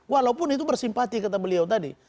walaupun itu bersimpati kata beliau tadi